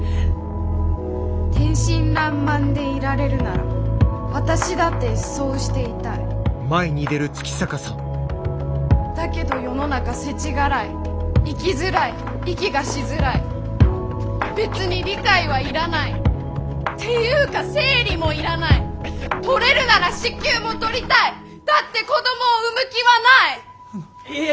天真爛漫でいられるなら私だってそうしていたいだけど世の中世知辛い生きづらい息がしづらい別に理解はいらないてゆーか生理もいらないとれるなら子宮もとりたいだって子供を産む気はないいや